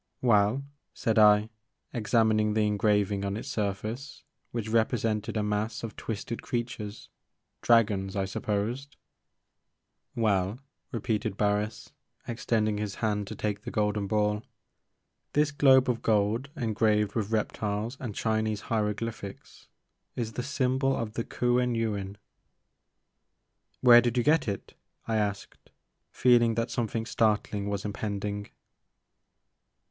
"Well?" said I, examining the engraving on its surface, which represented a mass of twisted creatures,^Kiragons, I supposed. "Well," repeated Barris, extending his hand to take the golden ball, " this globe of gold en graved with reptiles and Chinese hieroglyphics is the symbol of the Kuen Yuin." " Where did you get it ?" I asked, feeling that something startling was impending.